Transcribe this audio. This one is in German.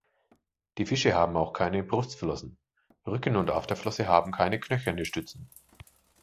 Die Fische haben auch keine Brustflossen, Rücken- und Afterflosse haben keine knöcherne Stützen.